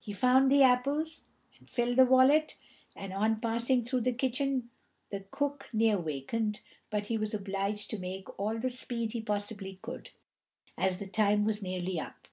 He found the apples, and filled the wallet; and on passing through the kitchen the cook near wakened, but he was obliged to make all the speed he possibly could, as the time was nearly up.